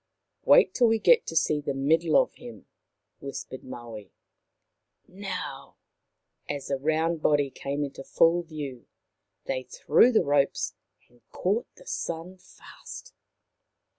" Wait till we can see the middle of him," whispered Maui. " Now !" as the round body came into full view. They threw the ropes and caught the Sun fast.